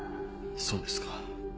そうですか。